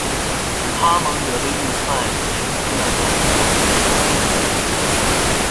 哈蒙德的预算延续了政府冻结福利的政策。